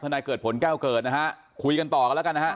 นายเกิดผลแก้วเกิดนะฮะคุยกันต่อกันแล้วกันนะฮะ